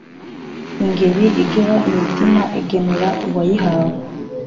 Ingeri igera imitima igenera uwayihawe